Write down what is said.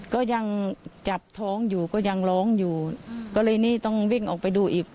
ก็ยังจับท้องอยู่ก็ยังร้องอยู่ก็เลยนี่ต้องวิ่งออกไปดูอีก